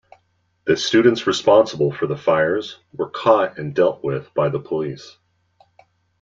The students responsible for the fires were caught and dealt with by the police.